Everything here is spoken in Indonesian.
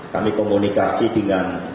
kami komunikasi dengan